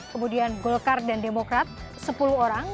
kemudian golkar dan demokrat sepuluh orang